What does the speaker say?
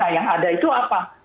yang ada itu apa